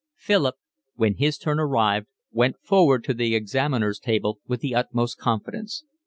Philip, when his turn arrived, went forward to the examiner's table with the utmost confidence.